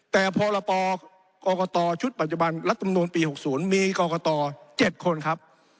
แต่พรปกรกตชุดปัจจุบันรัฐมนุนปี๖๐มีกรกต๗คนครับ